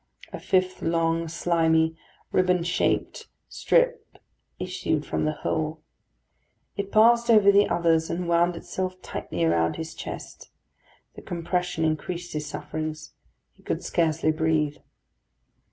A fifth long, slimy, riband shaped strip issued from the hole. It passed over the others, and wound itself tightly around his chest. The compression increased his sufferings. He could scarcely breathe.